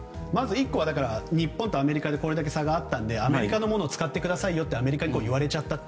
１個は、日本とアメリカでこれだけ差があったのでアメリカのものを使ってくださいよとアメリカに言われちゃったと。